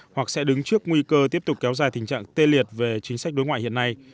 hoặc sẽ đứng trước nguy cơ tiếp tục kéo dài tình trạng tê liệt về chính sách đối ngoại hiện nay